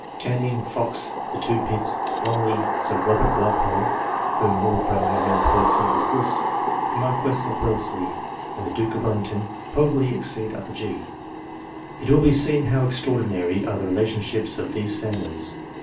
Canning, Fox, the two Pitts, Romilly, Sir Robert Walpole (whom Lord Brougham imports into his list), the Marquess Wellesley, and the Duke of Wellington, probably exceed G. It will be seen how extraordinary are the relationships of these families.